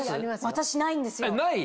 私ないんですよ。